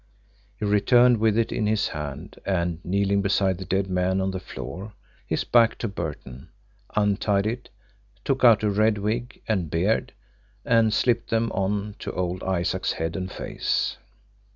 He returned with it in his hand, and, kneeling beside the dead man on the floor, his back to Burton, untied it, took out a red wig and beard, and slipped them on to old Isaac's head and face.